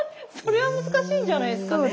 それは難しいんじゃないですか。